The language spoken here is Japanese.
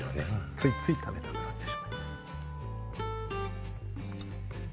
ついつい食べたくなってしまいます